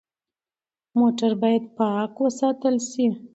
موټر باید پاک وساتل شي.